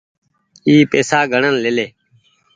اي پئيسا گڻين ليلي ۔